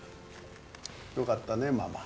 よかったねママ。